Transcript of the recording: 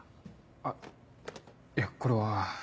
あっいやこれは。